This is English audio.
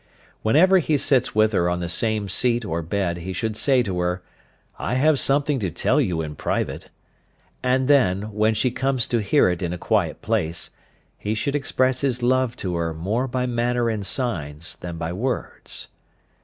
Whenever he sits with her on the same seat or bed he should say to her, "I have something to tell you in private," and then, when she comes to hear it in a quiet place, he should express his love to her more by manner and signs than by words.